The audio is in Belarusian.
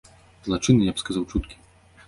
Злачынныя, я б сказаў, чуткі.